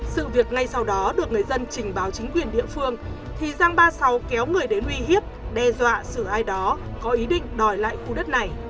sự việc ngay sau đó được người dân trình báo chính quyền địa phương thì giang ba mươi sáu kéo người đến uy hiếp đe dọa xử ai đó có ý định đòi lại khu đất này